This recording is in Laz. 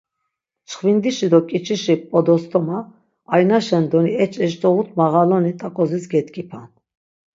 Çxvindişi do ǩiçişi p̌odost̆oma, aynaşen doni, eç, eçdoxut mağaloni t̆aǩozis gedgipan.